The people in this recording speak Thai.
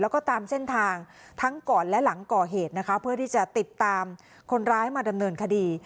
แล้วก็ตามเส้นทางทั้งก่อนและหลังก่อเหตุนะคะเพื่อที่จะติดตามคนร้ายมาดำเนินคดี